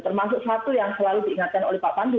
termasuk satu yang selalu diingatkan oleh pak pandu